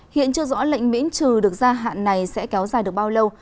hiện chưa rõ lệnh miễn trừ được gia hạn này sẽ kéo dài được bao lâu